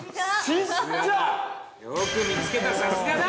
◆よく見つけた、さすがだ！